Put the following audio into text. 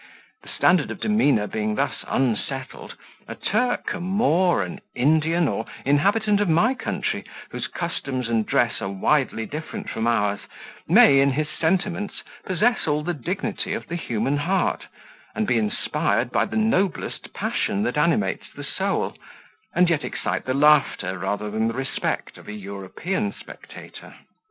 The standard of demeanour being thus unsettled, a Turk, a Moor, an Indian, or inhabitant of my country whose customs and dress are widely different from ours, may, in his sentiments, possess all the dignity of the human heart, and be inspired by the noblest passion that animates the soul, and yet excite the laughter rather than the respect of an European spectator.